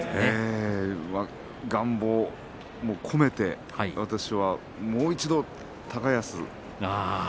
願望も込めて私はもう一度、高安。